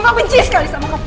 kamu benci sekali sama kamu